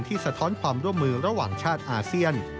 สะท้อนความร่วมมือระหว่างชาติอาเซียน